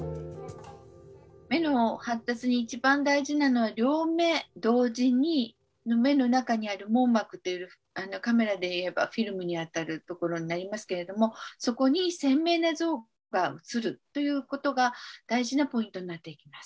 目の発達に一番大事なのは両目同時に目の中にある網膜っていうカメラでいえばフィルムに当たるところになりますけれどもそこに鮮明な像がうつるということが大事なポイントになっていきます。